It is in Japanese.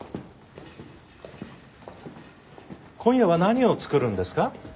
今夜は何を作るんですか？